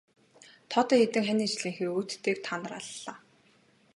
Тоотой хэдэн хань ижлийнхээ өөдтэйг та нар аллаа.